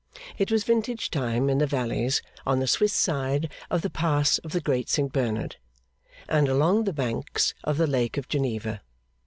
It was vintage time in the valleys on the Swiss side of the Pass of the Great Saint Bernard, and along the banks of the Lake of Geneva.